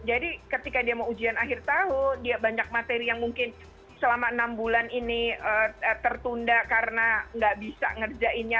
jadi ketika dia mau ujian akhir tahun dia banyak materi yang mungkin selama enam bulan ini tertunda karena nggak bisa ngerjainnya